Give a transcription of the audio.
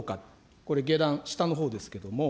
これ、下段、下のほうですけども。